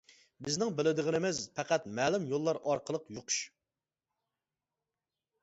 بىزنىڭ بىلىدىغىنىمىز پەقەت مەلۇم يوللار ئارقىلىق يۇقۇش.